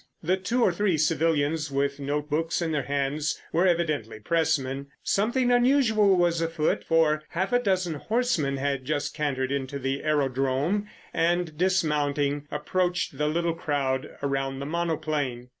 The two or three civilians with note books in their hands were evidently pressmen. Something unusual was afoot, for half a dozen horsemen had just cantered into the aerodrome and, dismounting, approached the little crowd round the monoplane.